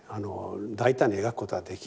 大胆に描くことはできない。